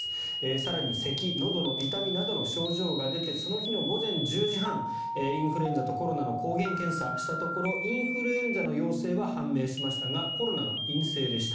更に、せき、のどの痛みなどの症状が出てその日の午前１０時半インフルエンザとコロナの抗原検査をしたところインフルエンザの陽性は判明しましたがコロナは陰性でした。